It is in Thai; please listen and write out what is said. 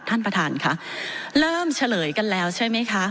ท่านประธานค่ะเริ่มเฉลยกันแล้วใช่ไหมคะ